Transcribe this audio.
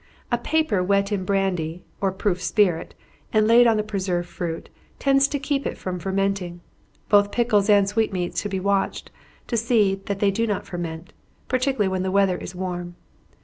A paper wet in brandy, or proof spirit, and laid on the preserved fruit, tends to keep it from fermenting. Both pickles and sweetmeats should be watched, to see that they do not ferment, particularly when the weather is warm.